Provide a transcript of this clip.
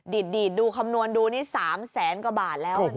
ดีดดูคำนวณดูนี่๓แสนกว่าบาทแล้วนะ